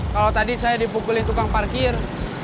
kalau tadi saya dipukulin tukang parkir